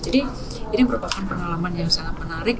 jadi ini merupakan pengalaman yang sangat menarik